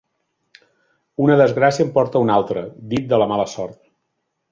Una desgràcia en porta una altra (dit de la mala sort).